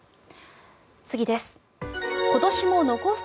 次です。